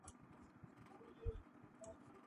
სანაპიროზე, ატლანტის ოკეანის შესართავთან.